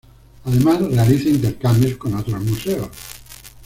Además realiza intercambios con otros museos.